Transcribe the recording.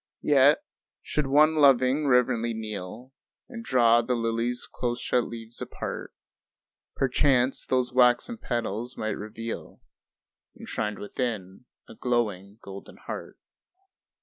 Yet should one loving reverently kneel And draw the lily's close shut leaves apart, Perchance those waxen petals might reveal Enshrined within, a glowing golden heart.